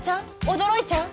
驚いちゃう？